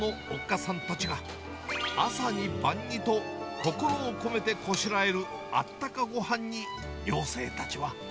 さんたちが、朝に晩にと、心を込めてこしらえるあったかごはんに寮生たちは。